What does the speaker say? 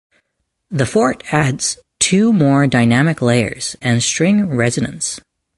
The Forte adds two more dynamic layers, and string resonance.